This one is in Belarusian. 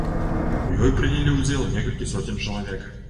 У ёй прынялі ўдзел некалькі соцень чалавек.